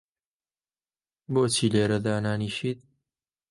بۆچی لێرە دانانیشیت؟